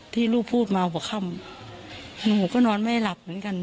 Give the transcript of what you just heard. ที่ลูกพูดมาหัวค่ำหนูก็นอนไม่หลับเหมือนกัน